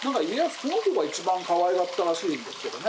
この子が一番かわいかったらしいんですけどね。